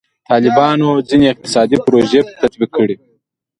طالبانو ځینې اقتصادي پروژې تطبیق کړي.